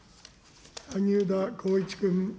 萩生田光一君。